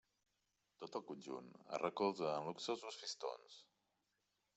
Tot el conjunt es recolza en luxosos fistons.